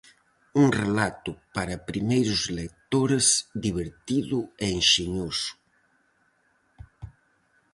Un relato para primeiros lectores, divertido e enxeñoso.